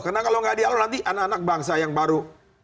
karena kalau gak dialog nanti anak anak bangsa yang baru